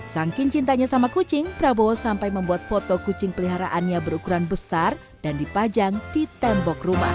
saking cintanya sama kucing prabowo sampai membuat foto kucing peliharaannya berukuran besar dan dipajang di tembok rumah